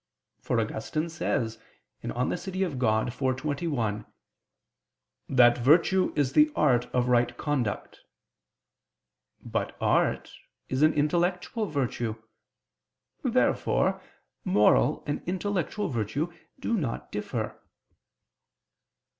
For Augustine says (De Civ. Dei iv, 21) "that virtue is the art of right conduct." But art is an intellectual virtue. Therefore moral and intellectual virtue do not differ.